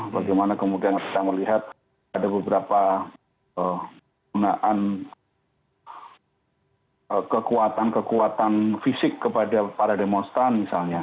bagaimana kemudian kita melihat ada beberapa gunaan kekuatan kekuatan fisik kepada para demonstran misalnya